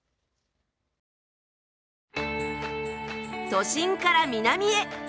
都心から南へ！